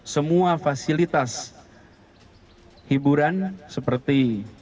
semua fasilitas hiburan seperti